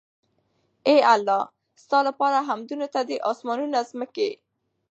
اې الله ! ستا لپاره حمدونه دي ته د آسمانونو، ځمکي